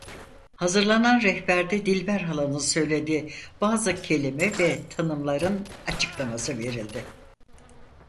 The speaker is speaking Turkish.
Hazırlanan rehberde Dilber Hala'nın söylediği bazı kelime ve tanımların açıklaması verildi.